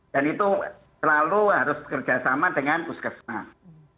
dan itu selalu harus bekerjasama dengan puskesmas